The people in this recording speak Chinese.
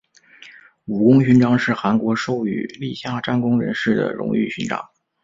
武功勋章是韩国授予立下战功人士的荣誉勋章。